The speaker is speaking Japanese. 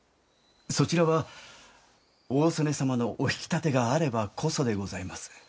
そちらは大曽根様のお引き立てがあればこそでございます。